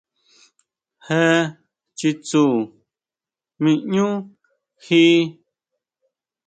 Jé chitsun ʼmí ʼñú jí.